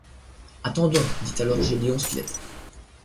Attendons, dit alors Gédéon Spilett.